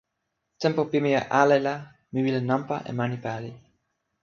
tenpo pimeja ale la, mi wile nanpa e mani pali.